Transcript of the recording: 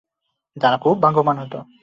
তারা খুব ভাগ্যবান হতো।